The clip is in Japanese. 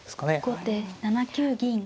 後手７九銀。